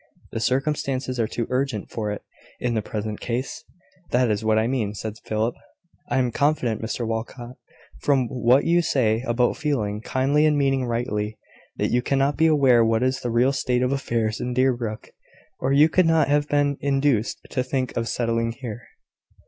"The circumstances are too urgent for it in the present case; that is what I mean," said Philip. "I am confident, Mr Walcot, from what you say about feeling kindly and meaning rightly, that you cannot be aware what is the real state of affairs in Deerbrook, or you could not have been induced to think of settling here."